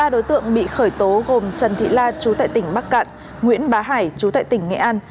ba đối tượng bị khởi tố gồm trần thị la chú tại tỉnh bắc cạn nguyễn bá hải chú tại tỉnh nghệ an